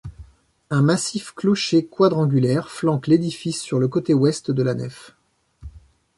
Un massif clocher quadrangulaire flanque l'édifice sur le côté ouest de la nef.